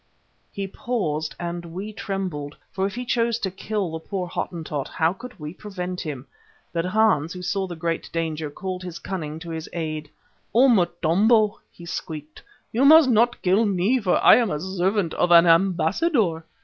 He paused and we trembled, for if he chose to kill the poor Hottentot, how could we prevent him? But Hans, who saw the great danger, called his cunning to his aid. "O Motombo," he squeaked, "you must not kill me for I am the servant of an ambassador.